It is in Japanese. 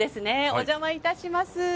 お邪魔いたします。